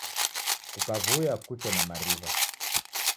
Kukuaw'uya kuche na mariw'a